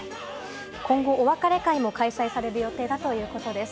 今後、お別れ会も開催される予定だということです。